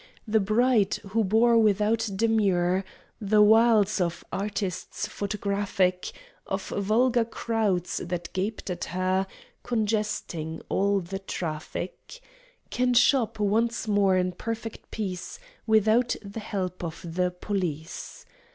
The Bride, who bore without demur The wiles of artists photographic, Of vulgar crowds that gaped at her, Congesting all the traffic, Can shop, once more, in perfect peace, Without the help of the police.